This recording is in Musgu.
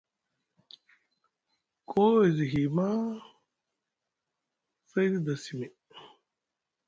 Koo e zi hiy maa, say te da simi.